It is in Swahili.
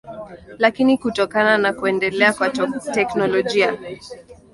lakini kutokana na kuendelea kwa teknolojia